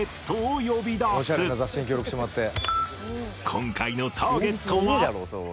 今回のターゲットは